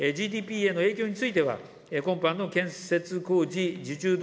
ＧＤＰへの影響については、今般の建設工事受注